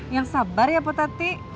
yang sabar ya potati